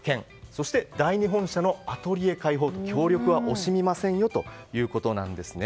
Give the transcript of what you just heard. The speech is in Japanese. そして、第２本社のアトリエ開放と、協力は惜しみませんということでした。